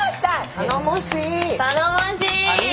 頼もしい！